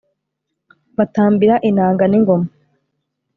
batambira inanga n'ingoma